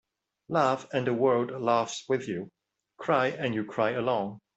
Laugh and the world laughs with you. Cry and you cry alone.